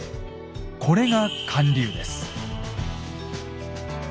これが還流です。